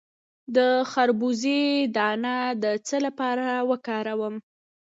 د خربوزې دانه د څه لپاره وکاروم؟